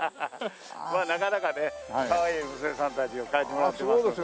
なかなかねかわいい娘さんたちを描いてもらってますので。